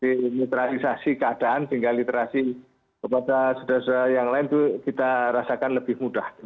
demetralisasi keadaan sehingga literasi kepada saudara saudara yang lain itu kita rasakan lebih mudah